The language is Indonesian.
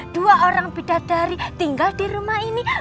dua orang bidadari tinggal di rumah ini